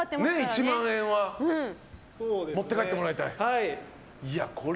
１万円は持って帰ってもらいたい。